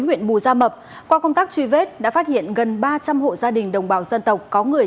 huyện bù gia mập qua công tác truy vết đã phát hiện gần ba trăm linh hộ gia đình đồng bào dân tộc có người